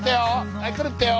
はい来るってよ。